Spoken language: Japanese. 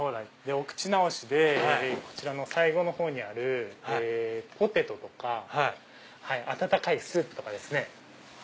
お口直しでこちらの最後のほうにあるポテトとか温かいスープとかですね。